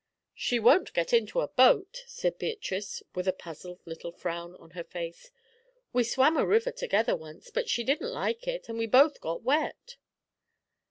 "She won't get into a boat," said Beatrice, with a puzzled little frown on her face. "We swam a river together once, but she didn't like it, and we both got wet."